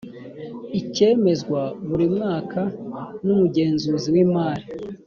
ikemezwa buri mwaka n umugenzuzi w imari